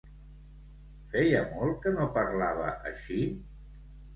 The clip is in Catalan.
Feia molt que no parlava així?